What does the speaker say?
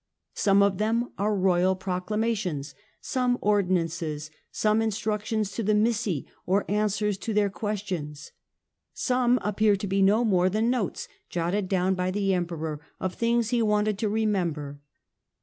Some of them are royal proclamations, some ordin ances, some instructions to the missi or answers to their questions. Some appear to be no more than notes, jotted down by the Emperor, of things he wanted to remember.